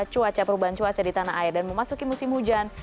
cuaca perubahan cuaca di tanah air dan memasuki musim hujan